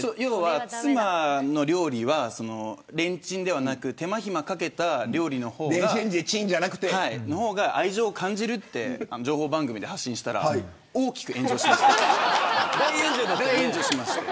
妻の料理はレンチンではなく手間暇かけた料理の方が愛情を感じると情報番組で発信したら大きく炎上しました。